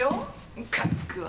ムカつくわ。